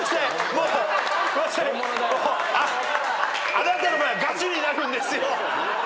あなたの場合はガチになるんですよ。